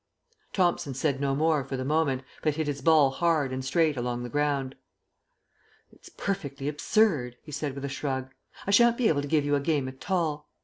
Thomson said no more for the moment, but hit his ball hard and straight along the ground. "It's perfectly absurd," he said with a shrug; "I shan't be able to give you a game at all.